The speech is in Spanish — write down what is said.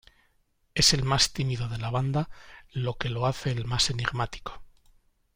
Es el más tímido de la banda lo que lo hace el más enigmático.